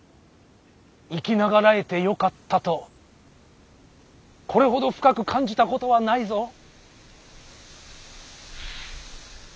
生き長らえてよかったとこれほど深く感じたことはないぞ。